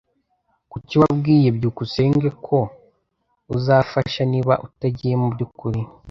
Kuki wabwiye byukusenge ko uzafasha niba utagiye mubyukuri?